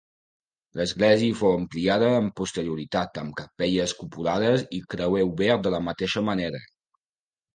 L'església fou ampliada amb posterioritat amb capelles cupulades i creuer obert de la mateixa manera.